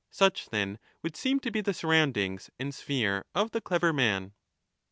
Such, then, would seem to be the surroundings and sphere of the clever man.